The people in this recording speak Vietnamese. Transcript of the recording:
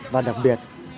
và đặc biệt